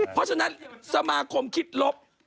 เพราะฉะนั้นสมาคมคิดลบ